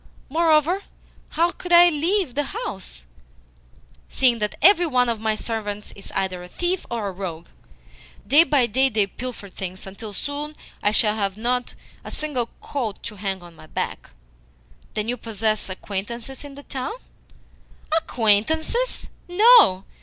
Moreover, how could I leave the house, seeing that every one of my servants is either a thief or a rogue? Day by day they pilfer things, until soon I shall have not a single coat to hang on my back." "Then you possess acquaintances in the town?" "Acquaintances? No.